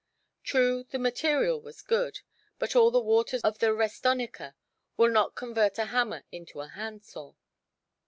True, the material was good, but all the waters of the Restonica will not convert a hammer into a handsaw.